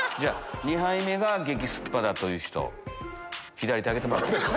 ２杯目が激スッパだという人左手挙げてもらっていいですか。